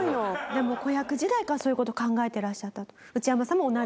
でも子役時代からそういう事を考えてらっしゃったと。